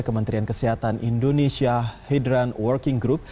kementerian kesehatan indonesia hedran working group